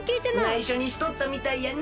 ないしょにしとったみたいやね。